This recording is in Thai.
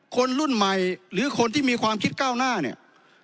คนรุ่นใหม่หรือคนที่มีความคิดก้าวหน้าเนี่ย